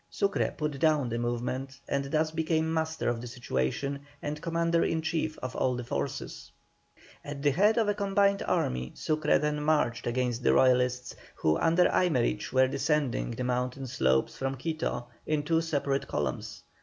Sucre put down the movement, and thus became master of the situation, and commander in chief of all the forces. At the head of a combined army, Sucre then marched against the Royalists, who under Aymerich were descending the mountain slopes from Quito, in two separate columns.